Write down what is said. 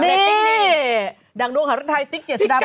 นี่ดังดวงของธรรมไทยติ๊กเจียสสดัมพรรณ